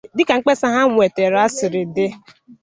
Dịka mkpesa ha nwètàrà siri dị